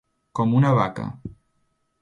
Com una vaca.